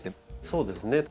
そうですね。